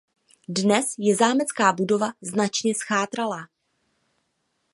Dnes je zámecká budova značně zchátralá.